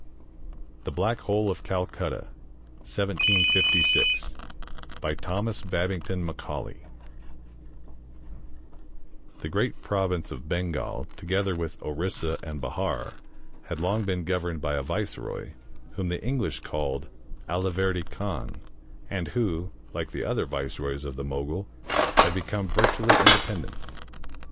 THE BLACK HOLE OF CALCUTTA BY THOMAS BABINGTON MACAULAY The great province of Bengal, together with Orissa and Bahar, had long been governed by a viceroy, whom the English called Aliverdy Khan, and who, like the other viceroys of the Mogul, had become virtually in dependent.